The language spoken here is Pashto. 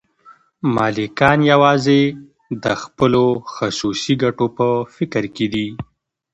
مالکان یوازې د خپلو خصوصي ګټو په فکر کې دي